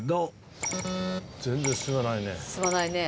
全然進まないね。